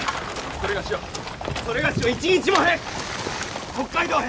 それがしをそれがしを一日も早く北海道へ。